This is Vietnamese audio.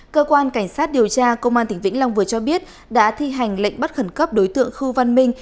cơ quan cảnh sát điều tra công an tỉnh vĩnh long vừa cho biết đã thi hành lệnh bắt khẩn cấp đối tượng khư văn minh